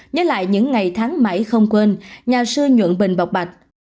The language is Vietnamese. nhớ lại những ngày tháng bảy không quên nhà sư nhuận bình bọc bạch